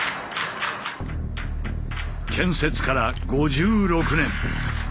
建設から５６年。